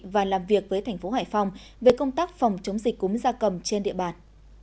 và làm việc với thành phố hải phòng về công tác phòng chống dịch cúm da cầm trên địa bàn